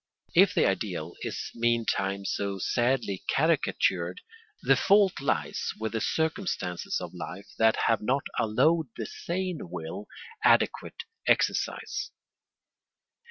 If the ideal is meantime so sadly caricatured, the fault lies with the circumstances of life that have not allowed the sane will adequate exercise.